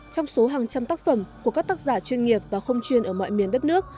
trong số hàng trăm tác phẩm của các tác giả chuyên nghiệp và không chuyên ở mọi miền đất nước